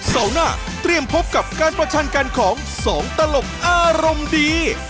เสาร์หน้าเตรียมพบกับการประชันกันของสองตลกอารมณ์ดี